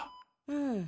うん。